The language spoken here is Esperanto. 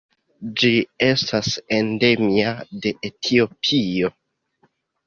Ĝi estas endemia de Etiopio.